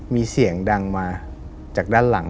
มีเสียงดังมาจากด้านหลัง